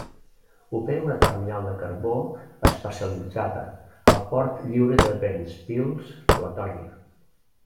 Opera una terminal de carbó especialitzada al port lliure de Ventspils, Letònia.